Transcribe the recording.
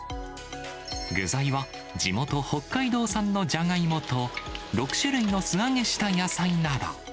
具材は、地元北海道産のじゃがいもと、６種類の素揚げした野菜など。